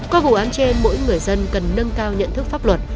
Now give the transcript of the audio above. qua vụ án trên mỗi người dân cần nâng cao nhận thức pháp luật